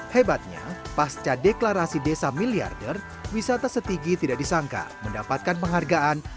hebatnya pasca deklarasi desa miliarder wisata setigi tidak disangka mendapatkan penghargaan